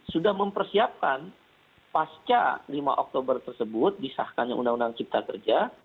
sudah mempersiapkan pasca lima oktober tersebut disahkannya undang undang cipta kerja